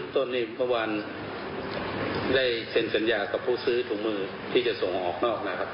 ต้นนี้เมื่อวานได้เซ็นสัญญากับผู้ซื้อถุงมือที่จะส่งออกนอกนะครับ